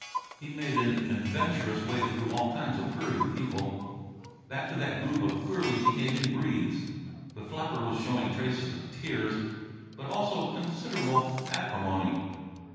He made an adventurous way through all kinds of hurried people, back to that group of queerly behaving Breedes. The flapper was showing traces of tears, but also a considerable acrimony.